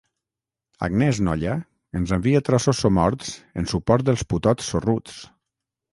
Agnès Nolla ens envia trossos somorts en suport dels putots sorruts.